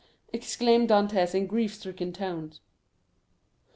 exclaimed Dantès in grief stricken tones.